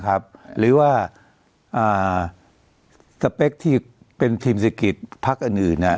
หรือว่าสเปคที่เป็นทีมศักดิ์ภักดิ์อื่น